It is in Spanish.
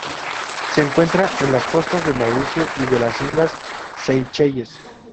Se encuentra en las costas de Mauricio y de las Islas Seychelles.